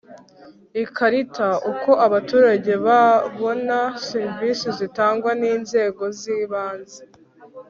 Ikarita Uko abaturage babona serivisi zitangwa n inzego z ibanze